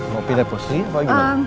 mau pilih posisi apa lagi